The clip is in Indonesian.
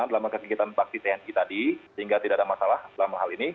dalam kegiatan bakti tni tadi sehingga tidak ada masalah dalam hal ini